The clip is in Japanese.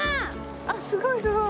あっすごいすごい。